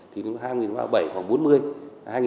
thì hai nghìn ba mươi bảy khoảng bốn mươi hai nghìn bốn mươi